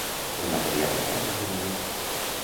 El material emprat és de maó.